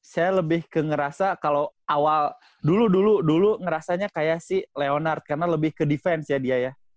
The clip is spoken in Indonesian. saya lebih ke ngerasa kalau awal dulu dulu dulu ngerasanya kayak si leonard karena lebih ke defense ya dia ya